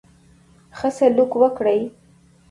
ښه سلوک وکړي.